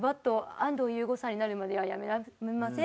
「安藤優子さんになるまで辞めません」。